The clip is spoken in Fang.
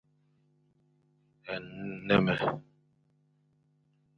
Nmémé.